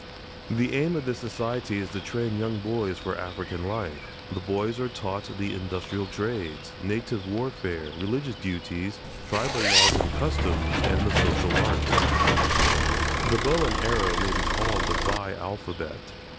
The aim of this society is to train young boys for African life. The boys are taught the industrial trades, native warfare, religious duties, tribal laws and customs, and the social arts. The bow and arrow may be called the Vai alphabet.